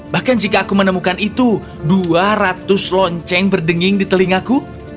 bahkan jika aku menemukan itu dua ratus lonceng berdenging di telingaku